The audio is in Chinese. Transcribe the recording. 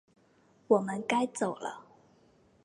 我们该走了